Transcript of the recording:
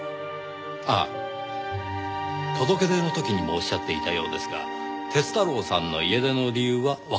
あっ届け出の時にもおっしゃっていたようですが鐵太郎さんの家出の理由はわからない？